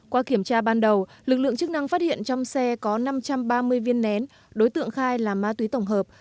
qua kiểm tra ban đầu lực lượng chức năng phát hiện trong xe có năm trăm ba mươi viên nén đối tượng khai là ma túy tổng hợp